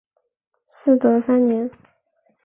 嗣德三年。